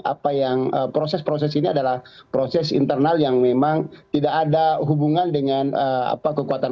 apa yang proses proses ini adalah proses internal yang memang tidak ada hubungan dengan apa kekuatan